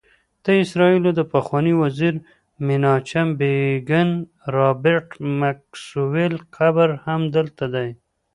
د اسرائیلو د پخواني وزیر میناچم بیګین، رابرټ میکسویل قبر هم دلته دی.